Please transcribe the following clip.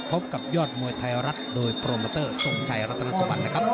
พบกับยอดมวยไทยรัฐโดยโปรเมอร์เตอร์ส่งไทยรัฐรสมันนะครับ